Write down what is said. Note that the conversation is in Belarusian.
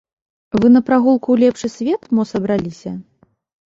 Вы на прагулку ў лепшы свет мо сабраліся?